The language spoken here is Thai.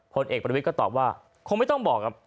ผลเอกบริวิตก็ตอบว่าคงไม่ต้องบอก